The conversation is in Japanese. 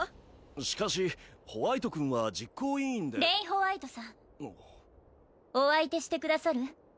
しかしホワイト君は実行委員でレイ＝ホワイトさんお相手してくださる？